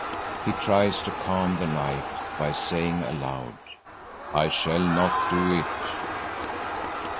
He tries to calm the night by saying aloud: "I shall not do it."